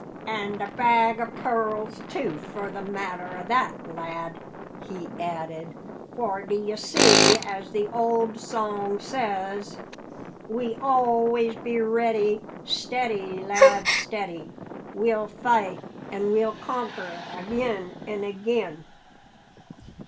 "An' the bag o' pearls, too, for the matter o' that, lad," he added; "for, d'ye see, as the old song says: We always be ready, Steady, lad, steady! We'll fight an' we'll conquer agin and agin!